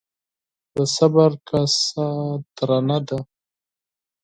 ـ د صبر کاسه درنه ده.